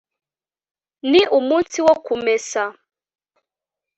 ni umunsi wo kumesa